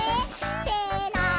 せの。